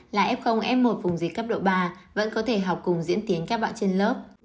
là f f một vùng dịch cấp độ ba vẫn có thể học cùng diễn tiến các bạn trên lớp